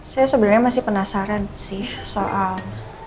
saya sebenarnya masih penasaran sih soal